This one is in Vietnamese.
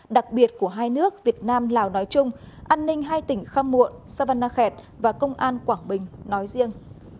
đặc biệt của hai nước việt nam lào nói chung an ninh hai tỉnh kham muộn savanakhet và công an quảng bình nói riêng